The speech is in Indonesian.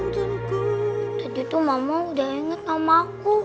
tadi tuh mama udah inget namaku